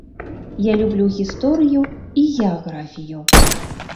Я люблю гісторыю і геаграфію.